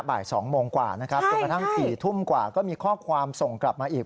บ่าย๒โมงกว่านะครับจนกระทั่ง๔ทุ่มกว่าก็มีข้อความส่งกลับมาอีก